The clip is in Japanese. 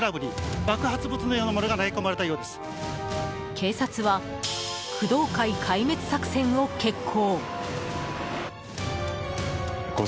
警察は工藤会壊滅作戦を決行。